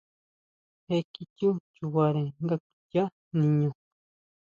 Je kichú chubare nga kuichia niño.